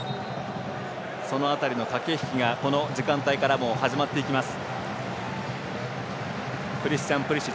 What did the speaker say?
その辺りの駆け引きがこの時間帯から始まっていきます。